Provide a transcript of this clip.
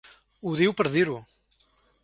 Ho diu per dir-ho.